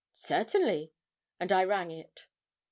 'Certainly;' and I rang it.